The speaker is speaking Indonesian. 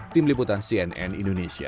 tim liputan cnn indonesia